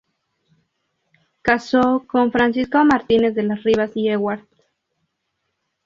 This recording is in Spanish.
Casó con Francisco Martínez de las Rivas y Ewart.